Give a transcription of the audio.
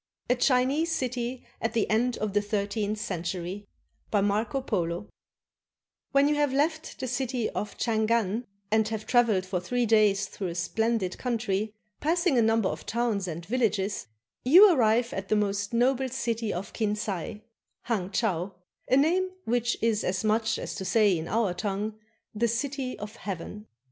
A CHINESE CITY AT THE END OF THE THIRTEENTH CENTURY BY MARCO POLO When you have left the city of Changan and have traveled for three days through a splendid country, passing a number of towns and villages, you arrive at the most noble city of Kinsay [Hang chau], a name which is as much as to say in our tongue, "The City of Heaven."